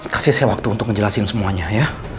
kasih saya waktu untuk ngejelasin semuanya ya